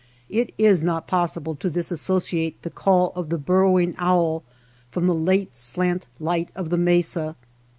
It is not possible to disassociate the call of the burrowing owl from the late slant light of the mesa.